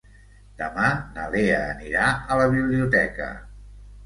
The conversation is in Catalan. Demà na Lea anirà a la biblioteca.